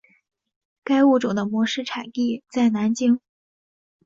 该物种的模式产地在南京。